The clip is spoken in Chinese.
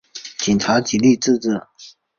警察极力自制